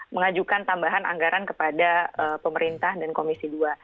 mengajukan tambahan anggaran kepada pemerintah dan komisi dua